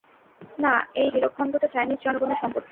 না, এই হীরকখন্ডটা চাইনিজ জনগণের সম্পত্তি!